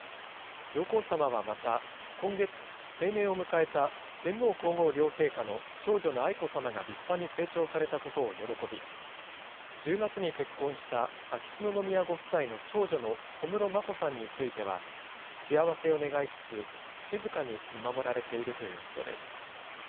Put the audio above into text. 上皇さまはまた、今月、成年を迎えた天皇皇后両陛下の長女の愛子さまが立派に成長されたことを喜び、１０月に結婚した秋篠宮ご夫妻の長女の小室眞子さんについては、幸せを願いつつ、静かに見守られているということです。